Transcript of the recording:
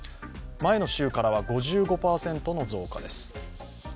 前の週からは５５％の増加です。